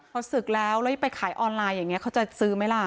พอศึกแล้วแล้วไปขายออนไลน์อย่างนี้เขาจะซื้อไหมล่ะ